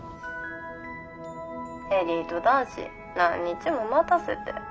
エリート男子何日も待たせて。